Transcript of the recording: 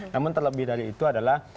namun terlebih dari itu adalah